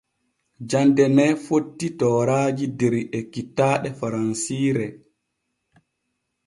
Jande ne fotti tooraaji der ekkitaaɗe faransiire.